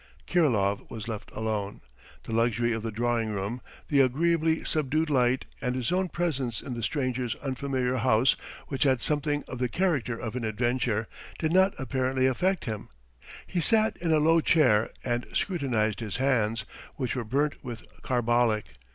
Kirilov was left alone. The luxury of the drawing room, the agreeably subdued light and his own presence in the stranger's unfamiliar house, which had something of the character of an adventure, did not apparently affect him. He sat in a low chair and scrutinized his hands, which were burnt with carbolic.